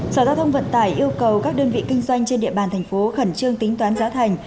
sở giao thông vận tải yêu cầu các đơn vị kinh doanh trên địa bàn thành phố khẩn trương tính toán giá thành